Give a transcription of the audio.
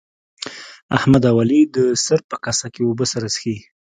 احمد او علي د سر په کاسه کې اوبه سره څښي.